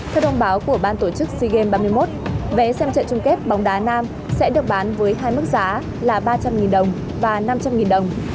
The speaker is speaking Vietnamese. theo thông báo của ban tổ chức sea games ba mươi một vé xem trận chung kết bóng đá nam sẽ được bán với hai mức giá là ba trăm linh đồng và năm trăm linh đồng